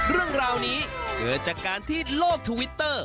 เรื่องราวนี้เกิดจากการที่โลกทวิตเตอร์